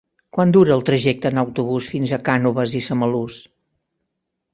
Quant dura el trajecte en autobús fins a Cànoves i Samalús?